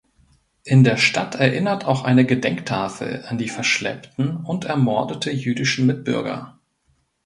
In der Stadt erinnert auch eine Gedenktafel an die verschleppten und ermordete jüdischen Mitbürger.